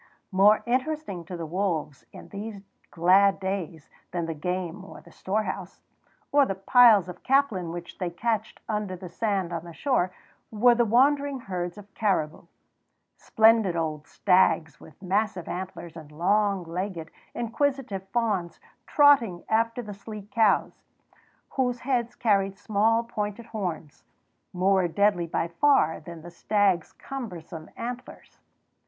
More interesting to the wolves in these glad days than the game or the storehouse, or the piles of caplin which they cached under the sand on the shore, were the wandering herds of caribou, splendid old stags with massive antlers, and long legged, inquisitive fawns trotting after the sleek cows, whose heads carried small pointed horns, more deadly by far than the stags' cumbersome antlers.